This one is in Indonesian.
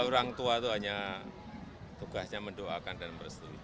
ya orang tua itu hanya tugasnya mendoakan dan bersetuju